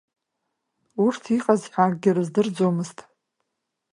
Урҭ иҟаз ҳәа акгьы рыздырӡомызт.